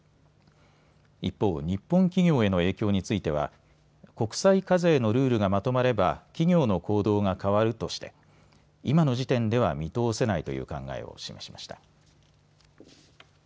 一方、日本企業への影響については国際課税のルールがまとまれば企業の行動が変わるとして今の時点では見通せないという考えを示しました。